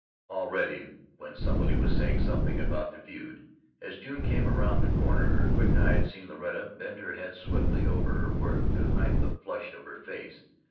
Already when somebody was saying something about the feud, as June came around the corner, her quick eye had seen Loretta bend her head swiftly over her work to hide the flush of her face.